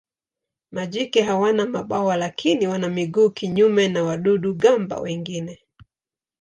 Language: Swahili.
Majike hawana mabawa lakini wana miguu kinyume na wadudu-gamba wengine.